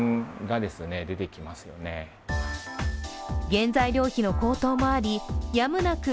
原材料費の高騰もありやむなく